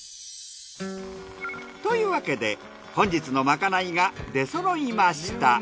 というわけで本日のまかないが出揃いました。